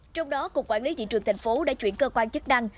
trong đó cục quản lý thị trường tp hcm đã chuyển cơ quan chức năng